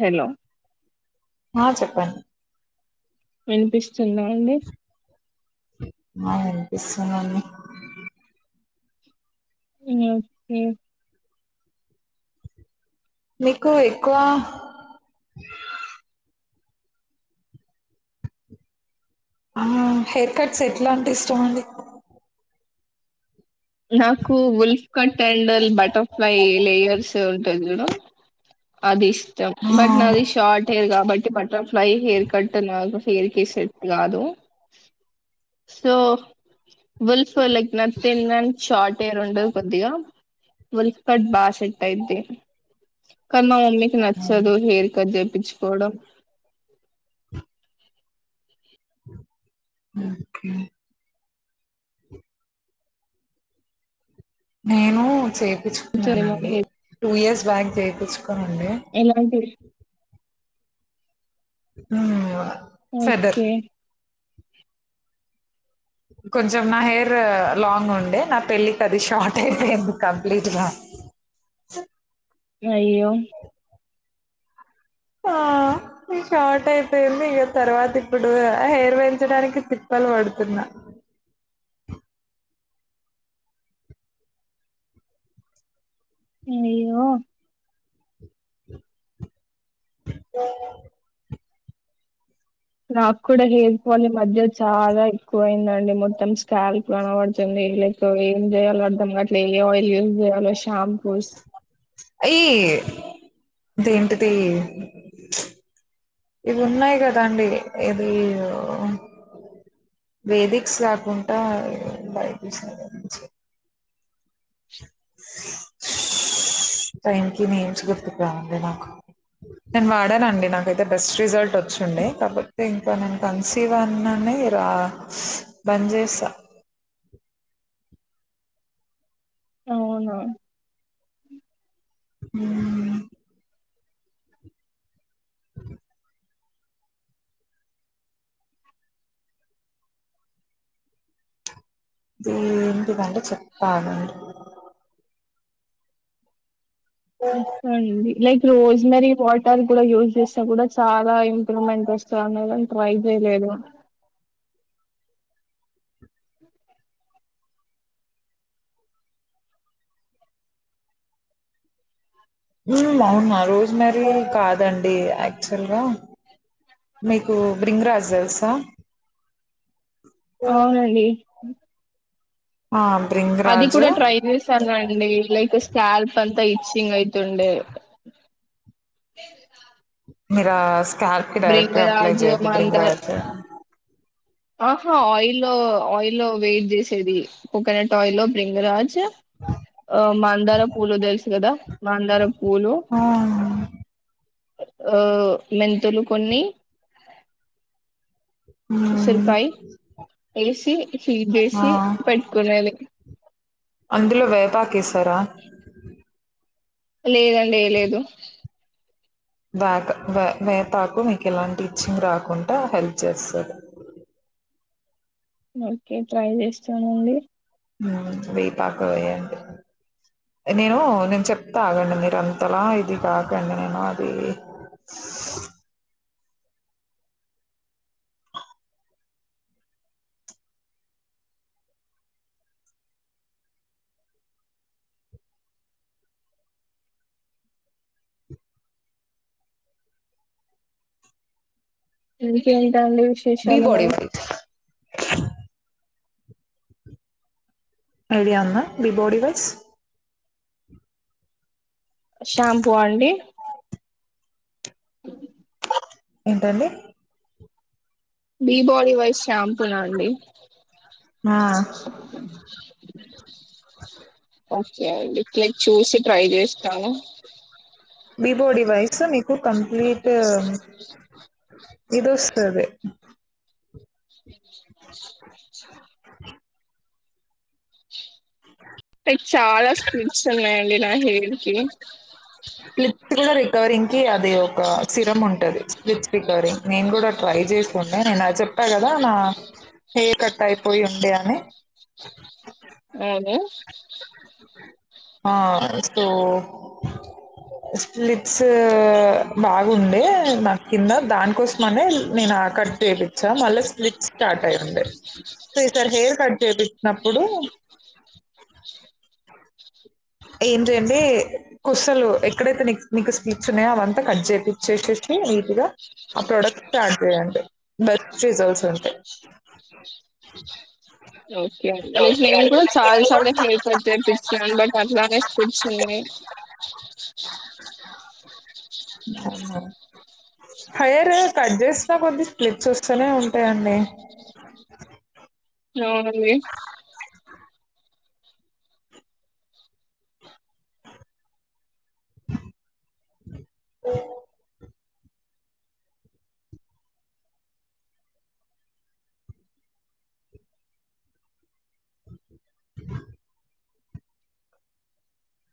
Hello ఆ చెప్పండి వినిపిస్తుదా అండి ఆ వినిపిస్తుదండి ఓకే మీకు ఎక్కువ ఆ హెయిర్ కట్స్ ఎట్లా అంటె ఇష్టండి నాకు ఉల్ఫ్ క టండల్ బటర్ఫ్లై లేయర్స్ ఉంటుంది చూడు అది ఇ ష్టం ఆ బట్ నాది శార్ట్ హెయిర్ కాబట్టి పట్ ఫ్లై హెయర్కట్ లాగో హెయిర్ కి సెట్ కాదు so wolf like Nathan Maan short hair ఉండదు కొద్దిగా. వోల్ఫ్ కట్ బాగా సెట్ అయింది కాని మా మీకి నచ్చదు, హెయిర్‌కట్ చెప్పి. పిచ్చుకోడం ఓకే నేను చేపు పిచ్చుకున్నానండి టూ ఇయర్స్ బ్యాంక్ చేపిచ్ ఎలాంటివి ఆ ఓకే హా కొంచెం నా హెయిర్ లాంగ్ ఉండే నా పెళ్ళికి అది షార్ట్ అయిపోయింది కంప్లీట్ గా అయ్యో ఆ ఇ షార్ట్ అయిపోయింది ఇక తర్వాత ఇప్పుడు హెయిర్ పెంచడానికి తిప్పలు పడుతున్నా అయ్యాయో ఓ నాకు కూడా హెయిర్ ఫాల్ ఏమ మధ్య చాలా ఎక్కువ అయిందండి మొత్తం స్కాల్ కనబడుతుంది లైక్ సో ఏం చేయాలో అర్ధం గట్లే ఏ ఆయిల్ యూస్్ చేయలో ష్యామ్ ఈ ఇదేంటిది ఇవి ఉన్నాయి కదాండి ఏది వేదిక్స్ కాకుండా బయసిన టైం కి నేమ్స్ గుర్తుకురావండి నాకు నేను వాడానండి నాకైతే బెస్ట్ రిజల్ట్ వచ్చిండంది కాబపోతే ఇంకా నేను కన్సీవ్వన్ని రా బంద్ చేసా అవునా అ అ ఎంటిదంటడి చెప్పాలియాండి అడి ైక్ రోస్మెరీ వాటర్ కూడా యూస్ చేస్తా కూడా చాలా ఇంప్రూవ్మెంట్ వస్తాన్నని ట్రై చేయలేదు హుమ్ హ్మ్ అవునా రోస్మెరీ కాదండి యాక్చువల్గా మీకు బ్రింగ్ రాజ్ తెల్సా అవునండి అ ఆ అది బ్రింగ్రాజ్ కూడా ట్రై చేశానండి లైక్ స్కాల్ప్ అంతా ఇ ఇచ్చింగ్ యిట్ండే మరా స్కార్పి డైరెక్ట్ అప్లై చేయద్దు మందార్ బ్రింగ్రాజ్ ఆహా ఆయిల్లో ఆయిల్లో వెయిట్ చేసేది కోకోనట్ ఆయిల్లో బ్రింగ్రాజ్ ఆచ్ ఆ మందార పూలు తెలుసు కదా మందార పూలు ఆ ఆ మెంతులు కొన్ని మ్మ్ ఉసరుకాయ ఎసి ఆ అందులో వేపాకేశారా లేదండి ఏ లేదు వేపాకు మీకు ఎలాంటి ఇచ్చింగ్ రాకుండా హెల్ప్ చేస్తాది ఓకే ట్రై చేస్తానండి వెయ్యపాక వ్యండి నేను నేను చెప్తాఆగండి మీరు అంతలా ఇది కాకండి నేను అది అకే బీ విశేషాలు బాడీ మరి వైట్ ఎడియా అన్న బి బోడిీ వైస్ షాంపూ అండి ఉ ఏంటండి బి బాడీ వైజ్ షాంపూనా అండి ఆ ఓకే అండి ఇల చూసి ట్రై చేస్తాను బీ బాడీ వయసు మీీకు కంప్లీట్ ఇదిస్తాది లైక్ చాలా స్పీడ్స్ ఉన్నాయి ఆ నా హెయిర్ కి కవరింగ్ కి అది ఒక సిరమ్ ఉంటది. స్పాట్స్ కవరింగ్ నేను కూడా ట్రై చేసుండే. నేను అ చెప్పా కదా నా హెయిర్ కట్ అయిపోయి ఉండే అని. అవును ఆ సో స్ప్లిట్స్ బాగుండే నాక్ కింద దానికోసంనే నేను కట్ చేయిించా మళ్ళీ స్లిట్స్ స్టార్ట్ అయి ఉండే సో ఈసారి హెయిర్ కట్ చేయిించినప్పుడు. ఏం చేయండి. కుసలు ఎక్కడైతే నీ నీకు స్ప్లిట్ ఉన్నాయో అవంతా కట్ చేయిచ్చేసేసి నీట్గా. ఆ ప్రోడక్ట్ స్డ్ చేయండి బెస్ట్ రిజల్ట్స్ ఉంటయి. ఓకే అండి లైక్ నేను కూడా చాలా హెయిర్ కట్ చేపించ బట్ బట్ అట్లా స్ప్లిట్ ఉన్నాయి. హెయిర్ కట్ చేసినా కొద్ది స్పాట్స్ వస్తూనే ఉంటాయండి. నవునండి ఓ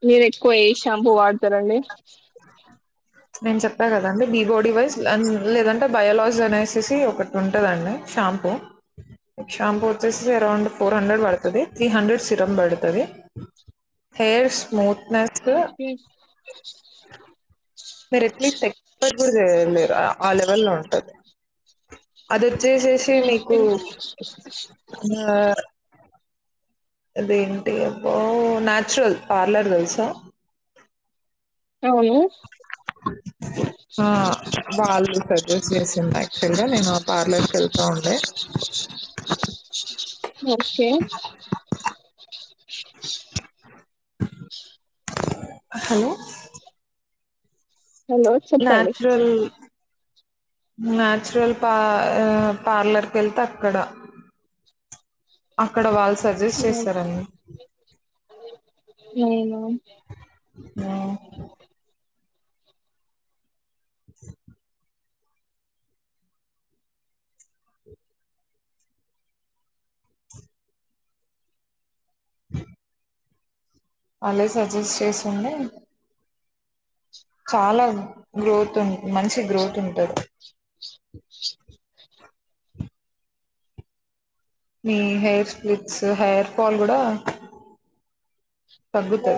మీరే క్వా ఏ షాంపూ వాడతారండి. నేను చెప్పా కదండి. బి. బో. డీ వైజ్ అండ్ లేదంటే బయోలాజ్ అనేసేసి ఒకటి ఉంటదండి షాంపూ. షాంపూ వచ్చేసి అరౌండ్ ఫోర్ హండ్రెడ్ పడతది. త్రీ హండ్రెడ్ సీరం పడతాది హెయిర్ స్మూత్. గర్ల్స్ కే మీరు ఎట్లీస్ట్ ఎక్స్పెక్ట్ కూడా చేయలేర. ఆ లెవెల్ లో ఉంటది. అదే ఉహ్ హు అదేంటి అబో నాచురల్ పార్లర్ తెలుసా. అవును ఆహ్ వాళ్ళు సజెస్ట్ చేసింది. యాక్చువల్ గా నేను ఆ పార్లర్కి వెళ్తా ఉండే. ఒకే హలో హలో చెప్పండి. నాచురల్ నాచురల్ పా ఆ పార్లర్ కెళ్తే అక్కడ అక్కడ వాల్సి సజిస్ట్ చేస్తారండి అవున ఆహ్ [inaudible] [inaudible] అలే సజెస్ట్ చేసిండే చాలా గ్రోత్ ఉం మంచి గ్రోత్ ఉంటది మీ హెయిర్ స్ప్లిట్స్ హెయిర్ ఫాల్ కూడా. తగ్గుతది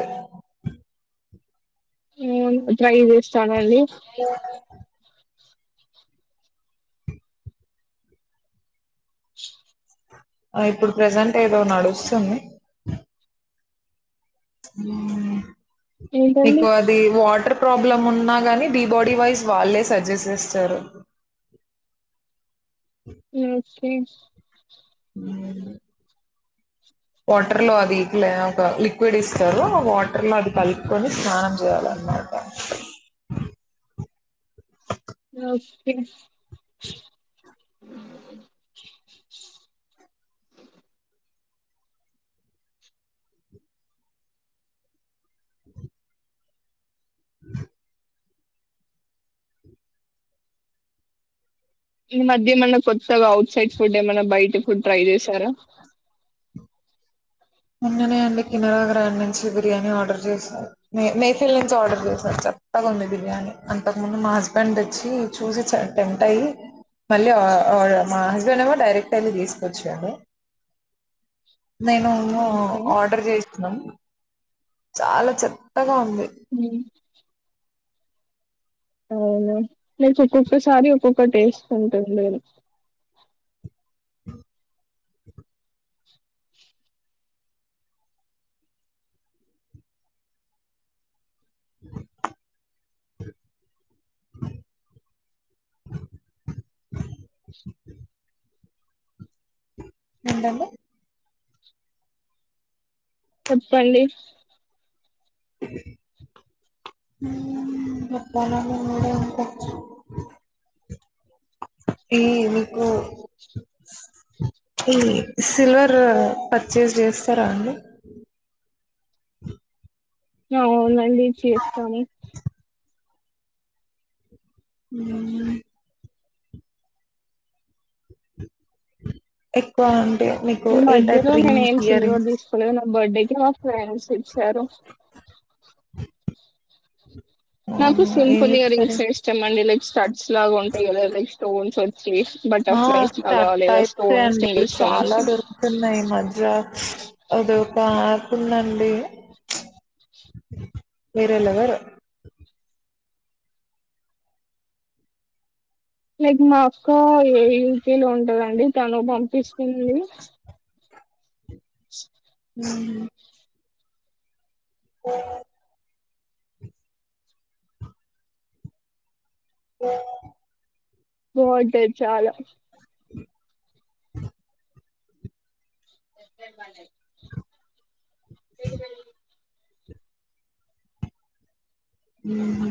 ఉహ్మ్ డ్రై హెయి తనండి ఆ ఇప్పుడు ప్రజెంట్ ఏదో నడుస్తుంది. ఉహ్ హు ఏంటండి మీకు అది వాటర్ ప్రాబ్లమ్ ఉన్నా గాని బీ బాడీ వైజ్ వాళ్ళే సజెస్ట్ చేస్తారు ఓకే వాటర్ లో అది లె ఒక లిక్విడ్ ఇస్తారు వాటర్ లో అది కలుపుకొని స్నానం జేయాలన్నమాట. ఓకే ఈ మధ్య ఏమన్నా కొత్తగా ఔట్ సైడ్స్ ఫుడ్ ఏమన్నా బయట ఫుడ్ ట్రై చేశారా మోన్ననే అండి కినరా గ్రాండ్ నుంచి బిర్యానీ ఆర్డర్ చేశారు మేమే పిల్మ్స్ ఆర్డర్ చేశారు. చెత్తగా ఉంది బిర్యానీ అంతకు ముందు మా హజ్బెండ్ వచ్చి చూసి టెంప్ట్ అయ్యి మళ్లీ [unintelligible] మా హజ్బెండ్ ఏమో డైరెక్ట్ వెళ్ళి తీసుకొచ్చిండు నేను, నో ఓకే ఆర్డర్ చేయిస్తున్నాం చాలా చెత్తగా ఉం హ్మ్ అవునా లేక ఒకొక్కసారి ఒక్క టేస్ట్ ఉంటది లే ఏంటండి చెప్పండి ఈ మీకు ఈ సిల్వర్ పర్చేస్ చేస్తారా అండి. ఆవును అండి చేస్తాము [unintelligible] ఎక్కువ మీకు ఈ ఏ టైప్ మధ్యలో నేను రింగ్స్ ఏం ఇయర్ సిల్వర్ రింగ్స్ తీసుకోలేదు నా బర్డేకి మా ఫ్రెండ్స్ ఇచ్చారు నాకు ఏమి సింపుల్గా ఇస్తారు రింగ్సే ఇష్టం అండి నా స్టడ్ స్ లాగా ఉంటాయి కదా లైక్ స్టోన్స్ వచ్చి బటర్ ఆ ఫ్లైస్ లాగా స్టడ్ లేదా టైప్స్ స్టోన్ అండి సింగిల్ స్టోన్ చాలా వచ్చి దొరుకుతున్నాయి ఈ కుందండి వేరే లెవరు మీకు మా కో ఈ [inaudible] లో ఉంటదా అండి తను పంపిస్తుంది [inaudible] ఓ బావుంటాయి చాలా ఊహూ